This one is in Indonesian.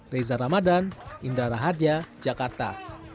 reza ramadan indra rahadja jakarta